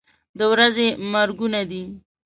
د ورځې مرګونه دي.